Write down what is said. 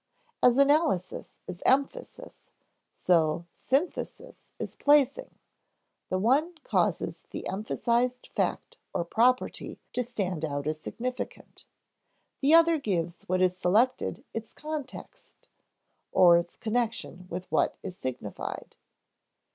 As analysis is emphasis, so synthesis is placing; the one causes the emphasized fact or property to stand out as significant; the other gives what is selected its context, or its connection with what is signified.